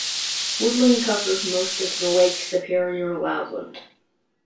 Woodland covers most of the Lake Superior Lowland.